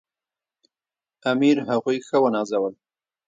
امیر هغوی ښه ونازول.